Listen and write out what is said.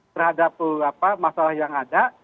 terhadap masalah yang ada